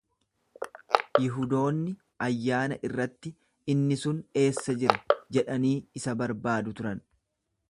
Yihudoonni ayyaana irratti, Inni sun eessa jira jedhanii isa barbaadu turan.